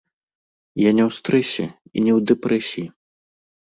Я не ў стрэсе і не ў дэпрэсіі.